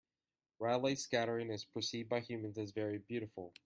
Raleigh scattering is perceived by humans as very beautiful.